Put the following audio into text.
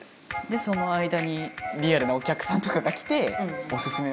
でその間にリアルなお客さんとかが来ておすすめは？